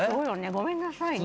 ごめんなさいね。